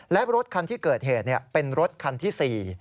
และรถคันที่เกิดเหตุเป็นรถคันที่๔